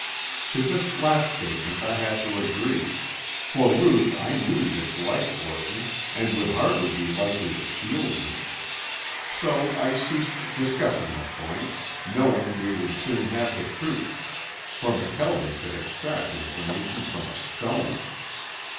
To this last statement I had to agree, for Ruth I knew disliked Orton, and would hardly be likely to shield him. So I ceased discussing the point, knowing we would soon have the truth, for McKelvie could extract information from a stone.